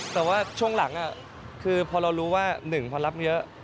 แต่ว่าช่วงหลังคือพอเรารู้ว่า๑พอรับเยอะ